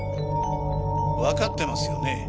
わかってますよね？